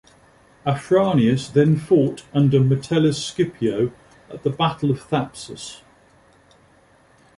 Afranius then fought under Metellus Scipio at the Battle of Thapsus.